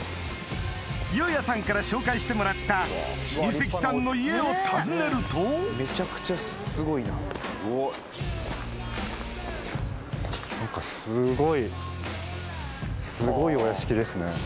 祐哉さんから紹介してもらった親戚さんの家を訪ねると何かすごいすごいお屋敷ですね。